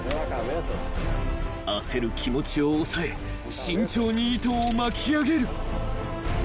［焦る気持ちを抑え慎重に糸を巻き上げる］